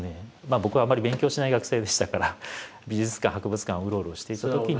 僕はあんまり勉強しない学生でしたから美術館博物館をうろうろしていたときに。